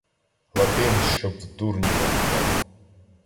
Латин щоб в дурні не попав.